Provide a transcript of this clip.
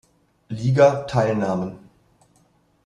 Liga, teilnahmen.